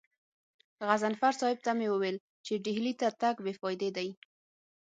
غضنفر صاحب ته مې وويل چې ډهلي ته تګ بې فايدې دی.